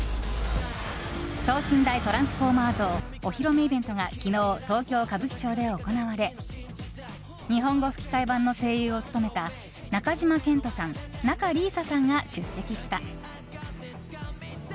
等身大トランスフォーマー像お披露目イベントが昨日、東京・歌舞伎町で行われ日本語吹き替え版の声優を務めた中島健人さん、仲里依紗さんが出席した。